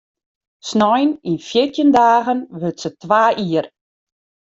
Snein yn fjirtjin dagen wurdt se twa jier.